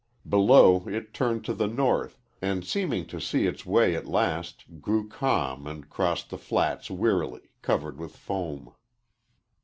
Below, it turned to the north, and, seeming to see its way at last, grew calm and crossed the flats wearily, covered with foam.